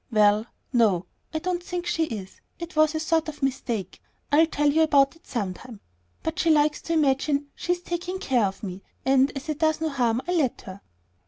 "Well, no; I don't think she is. It was a sort of mistake; I'll tell you about it sometime. But she likes to imagine that she's taking care of me; and as it does no harm, I let her."